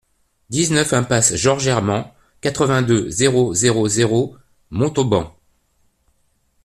dix-neuf impasse Georges Herment, quatre-vingt-deux, zéro zéro zéro, Montauban